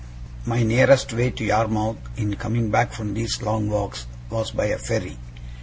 MY nearest way to Yarmouth, in coming back from these long walks, was by a ferry.